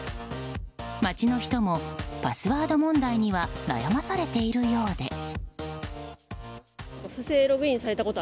街の人もパスワード問題には悩まされているようで。